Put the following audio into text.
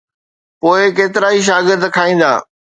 پوءِ ڪيترائي شاگرد کائيندا.